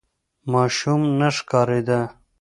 ماشوم نه ښکارېده.